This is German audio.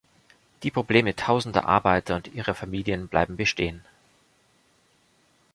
Die Probleme Tausender Arbeiter und ihrer Familien bleiben bestehen.